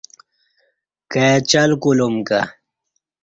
کای چل کولوم کہ